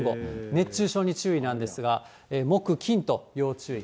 熱中症に注意なんですが、木、金と、要注意。